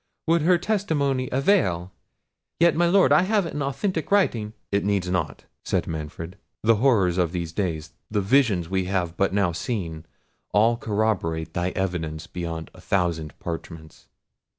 Would her testimony avail?—yet, my lord, I have an authentic writing—" "It needs not," said Manfred; "the horrors of these days, the vision we have but now seen, all corroborate thy evidence beyond a thousand parchments.